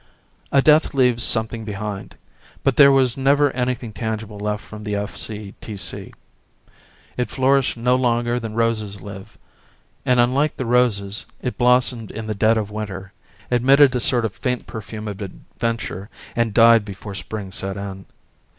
A death leaves something behind, but there was never anything tangible left from the F.C.T.C. It flourished no longer than roses live, and unlike the roses it blossomed in the dead of winter, emitted a sort of faint perfume of adventure and died before spring set in.